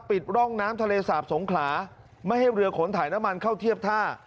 ร่องน้ำทะเลสาบสงขลาไม่ให้เรือขนถ่ายน้ำมันเข้าเทียบท่า